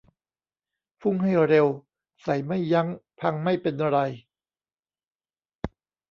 พุ่งให้เร็ว ใส่ไม่ยั้ง พังไม่เป็นไร